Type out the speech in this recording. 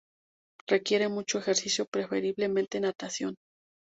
Requiere mucho ejercicio, preferiblemente natación.